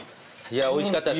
いやおいしかった。